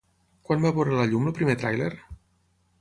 Quan va veure la llum el primer tràiler?